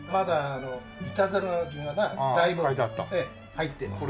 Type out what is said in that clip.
入ってますね。